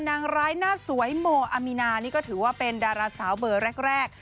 นางร้ายหน้าสวยโมอามีนานี่ก็ถือว่าเป็นดาราสาวเบอร์แรก